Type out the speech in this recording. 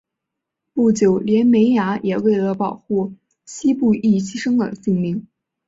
不久连美雅也为了保护希布亦牺牲了性命。